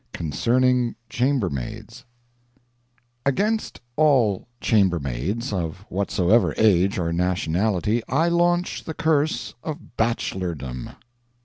CONCERNING CHAMBERMAIDS Against all chambermaids, of whatsoever age or nationality, I launch the curse of bachelordom!